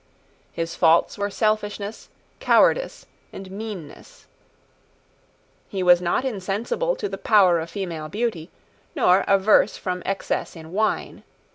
His faults were selfishness, cowardice, and meanness. He was not insensible to the power of female beauty, nor averse from excess in wine.